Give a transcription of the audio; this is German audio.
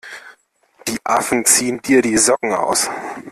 Die Affen ziehen dir die Socken aus!